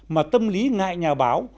mà tâm lý ngại nhà báo